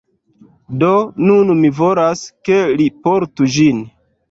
Do nun mi volas, ke li portu ĝin.